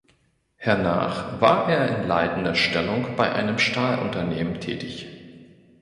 Hernach war er in leitender Stellung bei einem Stahlunternehmen tätig.